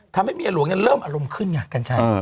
ทำให้เมียหลวงแล้วเริ่มอารมณ์ขึ้นพ่อกันใช่